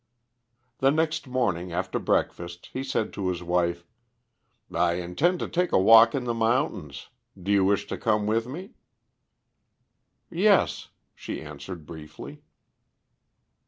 The next morning after breakfast, he said to his wife: "I intend to take a walk in the mountains. Do you wish to come with me?" "Yes," she answered briefly.